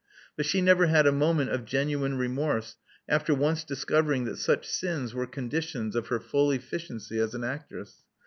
But she never had a moment of genuine remorse after once discovering that such sins were conditions of her full efficiency as an actress.